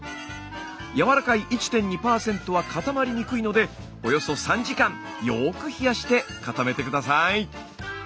やわらかい１．２％は固まりにくいのでおよそ３時間よく冷やして固めて下さい。